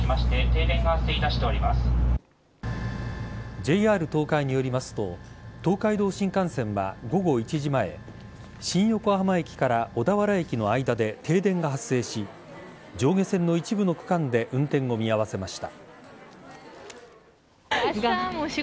ＪＲ東海によりますと東海道新幹線は午後１時前新横浜駅から小田原駅の間で停電が発生し上下線の一部の区間で運転を見合わせました。